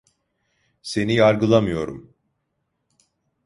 Seni yargılamıyorum.